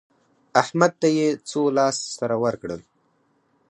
احمد ته يې څو لاس سره ورکړل؟